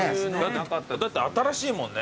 だって新しいもんね。